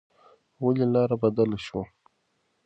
ولې لار بدله شوه؟